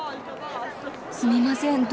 すみません